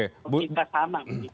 jadi kita sama begitu